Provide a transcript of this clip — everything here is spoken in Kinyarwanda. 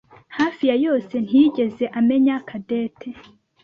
hafi ya yose ntiyigeze amenya Cadette.